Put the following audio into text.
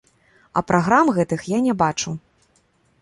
А праграм гэтых я не бачу.